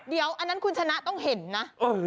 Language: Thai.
เดี๋ยวอันนั้นคุณชนะต้องเห็นนะ